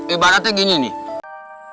ibaratnya gini nih